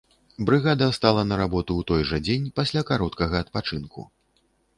Брыгада стала на работу ў той жа дзень, пасля кароткага адпачынку.